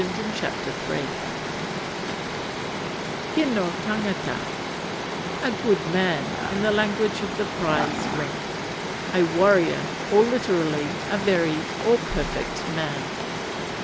Tino tangata A "good man," in the language of the prize ring; a warrior; or literally, a very, or perfect man.